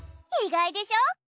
意外でしょ？